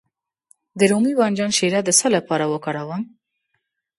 د رومي بانجان شیره د څه لپاره وکاروم؟